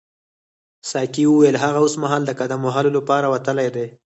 ساقي وویل هغه اوسمهال د قدم وهلو لپاره وتلی دی.